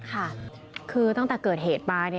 ค่ะคือตั้งแต่เกิดเหตุมา